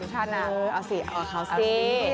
ดูท่าหน้าเอาสีค่ะเอาสี